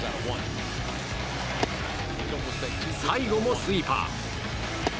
最後もスイーパー。